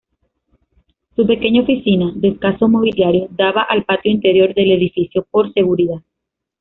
Su pequeña oficina, de escaso mobiliario, daba al patio interior del edificio, por seguridad.